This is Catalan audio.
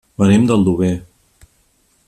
Venim d'Aldover.